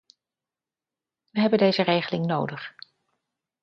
We hebben deze regeling nodig.